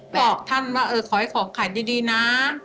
บอกท่านว่าเออขอให้ของขายดีนะ